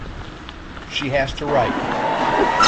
She has to write.